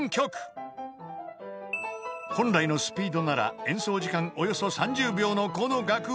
［本来のスピードなら演奏時間およそ３０秒のこの楽譜］